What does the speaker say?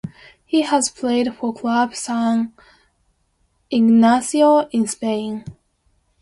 He has played for Club San Ignacio in Spain.